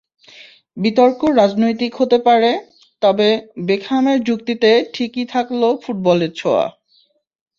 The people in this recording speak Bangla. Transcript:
বিতর্ক রাজনৈতিক হতে পারে, তবে বেকহামের যুক্তিতে ঠিকই থাকল ফুটবলের ছোঁয়া।